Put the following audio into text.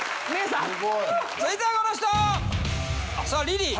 さあリリー。